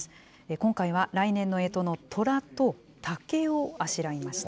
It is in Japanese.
今回は来年のえとのとらと竹をあしらいました。